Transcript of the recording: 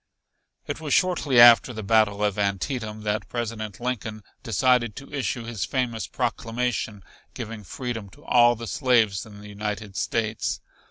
It was shortly after the battle of Antietam that President Lincoln decided to issue his famous proclamation giving freedom to all the slaves in the United States.